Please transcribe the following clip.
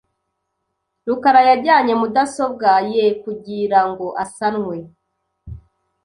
rukara yajyanye mudasobwa ye kugirango asanwe .